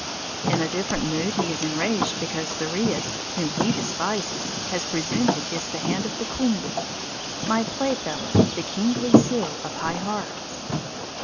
In a different mood he is enraged because Thyreus, whom he despises, has presumed to kiss the hand of the queen, "my playfellow, the kingly seal of high hearts."